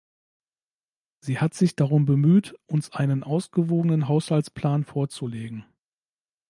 Sie hat sich darum bemüht, uns einen ausgewogenen Haushaltsplan vorzulegen.